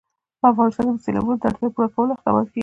په افغانستان کې د سیلابونو د اړتیاوو پوره کولو اقدامات کېږي.